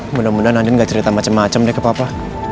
mudah mudahan andin gak cerita macam macam deh ke papa